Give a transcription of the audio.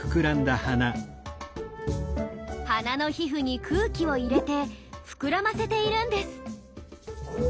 鼻の皮膚に空気を入れて膨らませているんです。